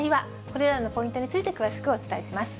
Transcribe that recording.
これらのポイントについて詳しくお伝えします。